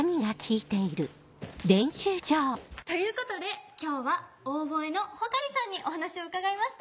ということで今日はオーボエの穂刈さんにお話を伺いました。